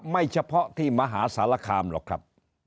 ไม่เฉพาะที่มหาสารคามหรอกครับ